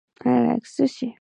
I like sushi.